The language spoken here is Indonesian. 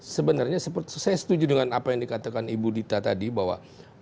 sebenarnya saya setuju dengan apa yang dikatakan ibu dita tadi bahwa